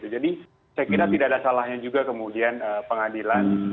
jadi saya kira tidak ada salahnya juga kemudian pengadilan